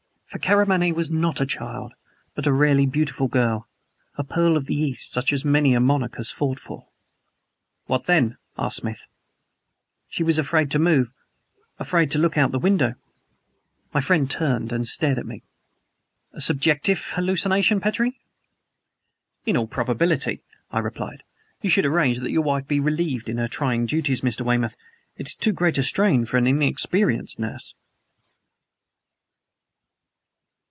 For Karamaneh was not a child, but a rarely beautiful girl a pearl of the East such as many a monarch has fought for. "What then?" asked Smith. "She was afraid to move afraid to look from the window!" My friend turned and stared hard at me. "A subjective hallucination, Petrie?" "In all probability," I replied. "You should arrange that your wife be relieved in her trying duties, Mr. Weymouth. It is too great a strain for an inexperienced nurse."